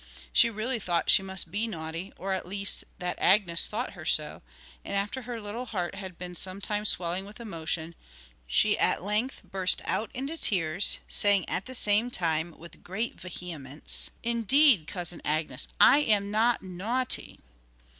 She really thought she must be naughty, or, at least, that Agnes thought her so; and after her little heart had been some time swelling with emotion, she at length burst out into tears, saying at the same time, with great vehemence: 'Indeed, Cousin Agnes, I am not naughty!'